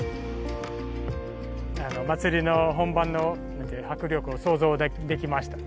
祭りの本番の迫力を想像できました。